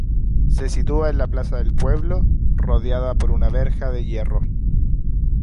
Se sitúa en la plaza del pueblo, rodeada por una verja de hierro.